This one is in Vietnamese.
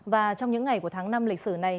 và trong những ngày của tháng năm lịch sử này